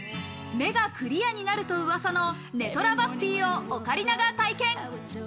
目がクリアになるとうわさのネトラバスティをオカリナが体験。